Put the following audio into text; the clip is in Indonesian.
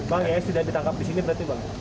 ws tidak ditangkap di sini berarti pak